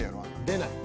出ない。